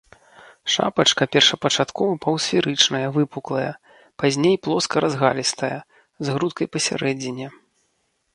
Шапачка першапачаткова паўсферычная, выпуклая, пазней плоска-разгалістая, з грудкай пасярэдзіне.